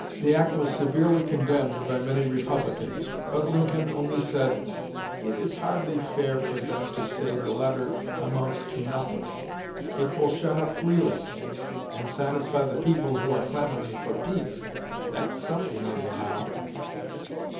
The act was severely condemned by many Republicans; but Lincoln only said, "It is hardly fair for them to say the letter amounts to nothing. It will shut up Greeley, and satisfy the people who are clamoring for peace. That's something, anyhow!"